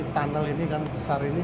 tunnel ini kan besar ini